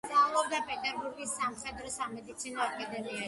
სწავლობდა პეტერბურგის სამხედრო-სამედიცინო აკადემიაში.